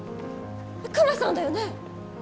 クマさんだよね？